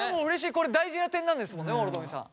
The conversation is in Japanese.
これ大事な点なんですもんね諸富さん。